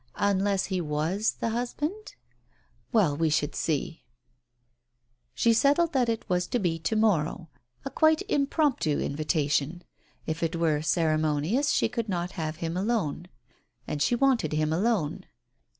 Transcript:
Unless he was that husband ? Well, we should see !... She settled that it was to be to morrow, a quite im promptu invitation. If it were ceremonious she could not have him alone, and she wanted him alone.